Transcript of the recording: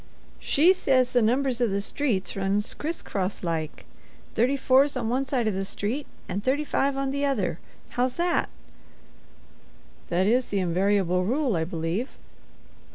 "She says the numbers on the streets runs criss cross like. Thirty four's on one side o' the street an' thirty five on t'other. How's that?" "That is the invariable rule, I believe."